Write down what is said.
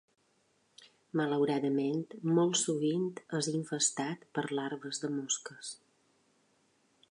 Malauradament, molt sovint és infestat per larves de mosques.